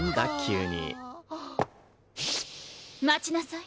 待ちなさい。